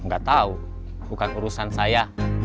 gak tau bukan urusan saya